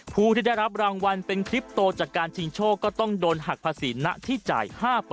ผู้ที่ได้รับรางวัลเป็นคลิปโตจากการชิงโชคก็ต้องโดนหักภาษีณที่จ่าย๕